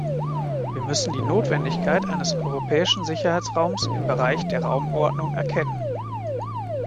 Wir müssen die Notwendigkeit eines europäischen Sicherheitsraums im Bereich der Raumordnung erkennen.